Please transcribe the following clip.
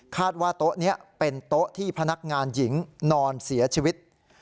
ว่าโต๊ะนี้เป็นโต๊ะที่พนักงานหญิงนอนเสียชีวิต